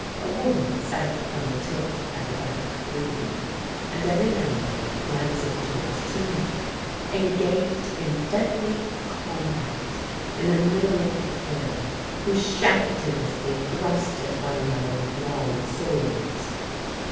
A woman sat on the tilt at the back, reading, and every now and then glancing towards two men engaged in deadly combat in the middle of the clearing, who shouted as they thrust at one another with long swords.